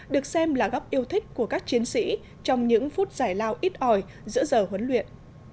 được xem là góc yêu thích của các chiến sĩ trong những phút giải lao ít ỏi giữa giờ huấn luyện